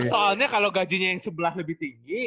soalnya kalau gajinya yang sebelah lebih tinggi